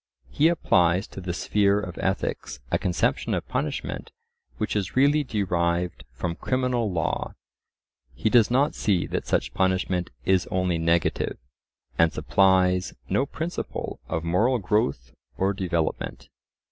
He applies to the sphere of ethics a conception of punishment which is really derived from criminal law. He does not see that such punishment is only negative, and supplies no principle of moral growth or development.